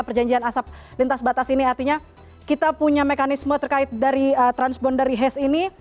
perjanjian asap lintas batas ini artinya kita punya mekanisme terkait dari transboundary hash ini